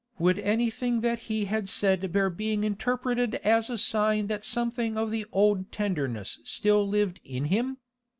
Would anything that he had said bear being interpreted as a sign that something of the old tenderness still lived in him?